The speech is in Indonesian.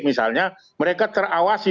misalnya mereka terawasi